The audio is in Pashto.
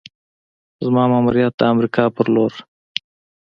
زما ماموریت د امریکا پر لور: